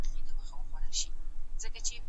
د انتيکو بازار لږ قيمت نه دی ورکړی.